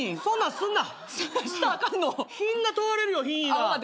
そんなんするな。